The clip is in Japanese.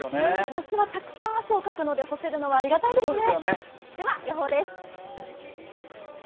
夏はたくさん汗をかくので干せるのはありがたいですよね。